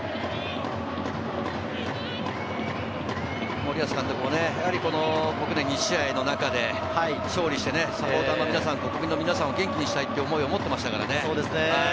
森保監督もやはり２試合の中で勝利してサポーターの皆さん、国民の皆さんを元気にしたいという思いを持っていましたからね。